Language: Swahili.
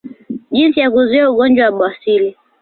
Jinsi ya kuzuia ugonjwa wa bawasiri